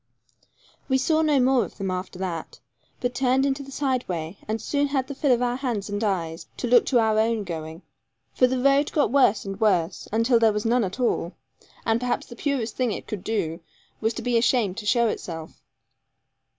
We saw no more of them after that, but turned into the sideway; and soon had the fill of our hands and eyes to look to our own going. For the road got worse and worse, until there was none at all, and perhaps the purest thing it could do was to be ashamed to show itself.